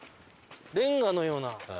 レンガのような。